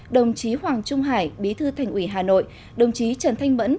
đồng chí hoàng trung hải bí thư thành ủy hà nội đồng chí trần thanh mẫn